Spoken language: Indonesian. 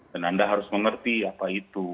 anda harus mengerti apa itu